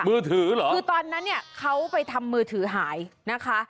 มือถือเหรอคือตอนนั้นเนี่ยเขาไปทำมือถือหายนะคะ